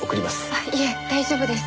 あっいえ大丈夫です。